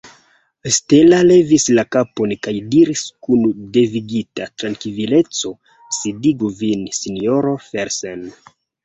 Stella levis la kapon kaj diris kun devigita trankvileco: « Sidigu vin, sinjoro Felsen ».